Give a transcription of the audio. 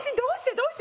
どうして？